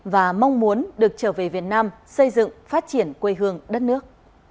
và mong muốn được trở về việt nam xây dựng phát triển quê hương đất nước